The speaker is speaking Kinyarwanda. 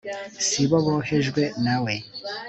si bo bohejwe na we